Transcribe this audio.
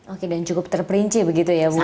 oke dan cukup terperinci begitu ya bu